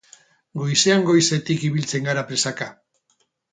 Goizean goizetik ibiltzen gara presaka.